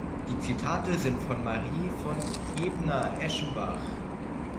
Die Zitate sind von Marie von Ebner-Eschenbach.